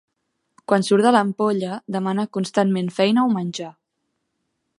Quan surt de l'ampolla, demana constantment feina o menjar.